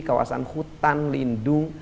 kawasan hutan lindung